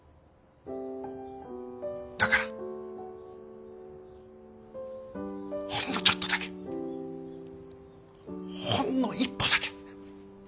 だからほんのちょっとだけほんの一歩だけ。